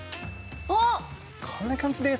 こんな感じです。